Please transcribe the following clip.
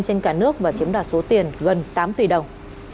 trên cả nước và chiếm đoạt số tiền gần tám tỷ đồng